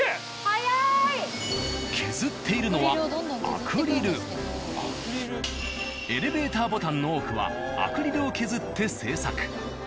削っているのはエレベーターボタンの多くはアクリルを削って製作。